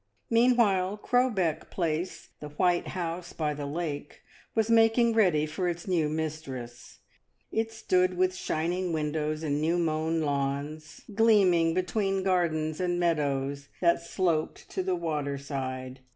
Meanwhile, Crowbeck Place, the white house by the lake, was making ready for its new mistress; it stood with shining windows and new mown lawns, gleaming between gardens and meadows that sloped 128 MRS. DYMOND. to the water side.